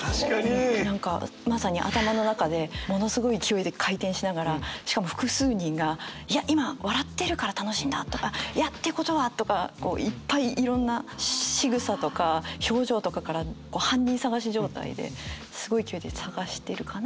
何かまさに頭の中でものすごい勢いで回転しながらしかも複数人が「いや今笑ってるから楽しいんだ」とか「いやということは」とかいっぱいいろんなしぐさとか表情とかから犯人捜し状態ですごい勢いで探してるかなと。